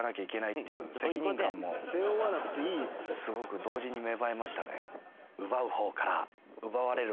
すごく同時に芽生えましたね。